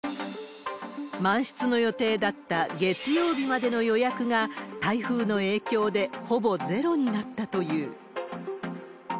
満室の予定だった月曜日までの予約が、台風の影響でほぼゼロになったという。